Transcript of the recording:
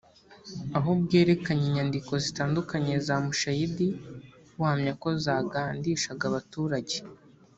aho bwerekanye inyandiko zitandukanye za Mushayidi buhamya ko zagandishaga abaturage